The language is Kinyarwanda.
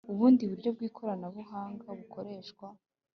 ubundi buryo bw ikoranabuhanga bukoreshwa